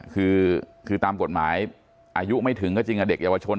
คือตามกฎหมายอายุไม่ถึงก็จริงเด็กเยาวชน